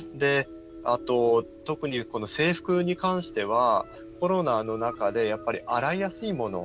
あと、特に制服に関してはコロナの中で、やっぱり洗いやすいもの。